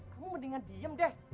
kamu mendingan diem deh